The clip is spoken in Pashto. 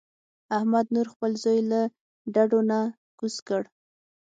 احمد نور خپل زوی له ډډو نه کوز کړ.